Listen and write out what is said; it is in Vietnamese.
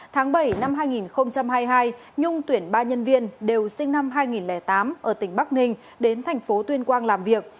tháng bảy năm hai nghìn hai mươi hai nhung tuyển ba nhân viên đều sinh năm hai nghìn tám ở tỉnh bắc ninh đến thành phố tuyên quang làm việc